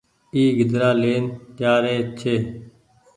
اي گيدرآ لين جآ رئي ڇي۔